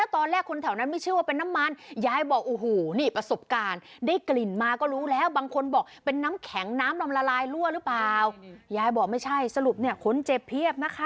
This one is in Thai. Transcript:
ถัดโคมแหมพูดอะไรไม่เชื่อ